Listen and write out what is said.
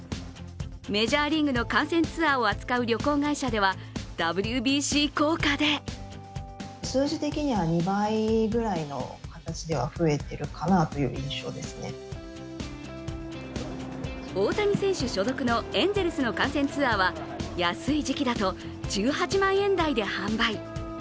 メジャーリーグの観戦ツアーを扱う旅行会社ではＷＢＣ効果で大谷選手所属のエンゼルスの観戦ツアーは安い時期だと１８万円台で販売。